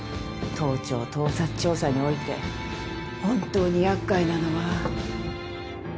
盗聴盗撮調査において本当に厄介なのは。